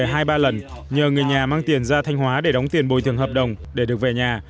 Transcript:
anh bloom đã gọi điện về hai ba lần nhờ người nhà mang tiền ra thanh hóa để đóng tiền bồi thường hợp đồng để được về nhà